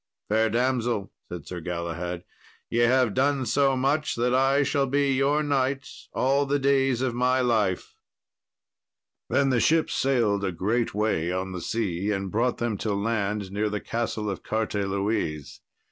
"Fair damsel," said Sir Galahad, "ye have done so much that I shall be your knight all the days of my life." Then the ship sailed a great way on the sea, and brought them to land near the Castle of Carteloise.